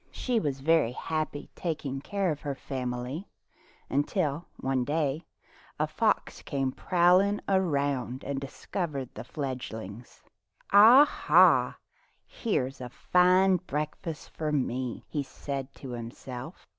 She was very happy taking care of her fam ily until one day a fox came prowling around and discovered the fledglings. '"Aha! here's a flne breakfast for me," he said to himself.